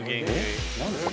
・何ですか？